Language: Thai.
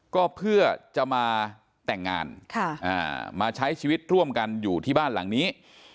ก็เพื่อจะมาแต่งงานมาใช้ชีวิตร่วมกันอยู่ที่บ้านหลังนี้